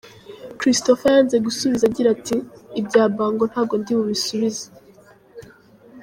Christopher yanze gusubiza agira ati:” Ibya Bango ntabwo ndibubisubize”.